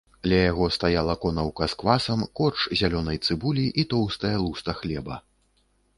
Ля яго стаяла конаўка з квасам, корч зялёнай цыбулі і тоўстая луста хлеба.